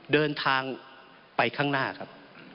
เดินทางไปข้างหน้าครับ